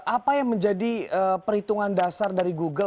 apa yang menjadi perhitungan dasar dari google